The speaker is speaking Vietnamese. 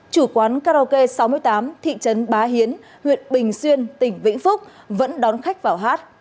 chủ quán karaoke sáu mươi tám thị trấn bá hiến huyện bình xuyên tỉnh vĩnh phúc vẫn đón khách vào hát